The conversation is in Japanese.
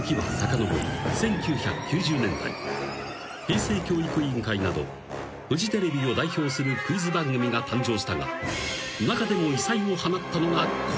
［『平成教育委員会』などフジテレビを代表するクイズ番組が誕生したが中でも異彩を放ったのがこちら］